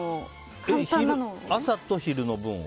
朝と昼の分を？